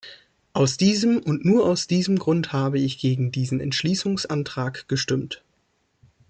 Aus diesem und nur aus diesem Grund habe ich gegen diesen Entschließungsantrag gestimmt.